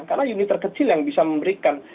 karena unit terkecil yang bisa memberikan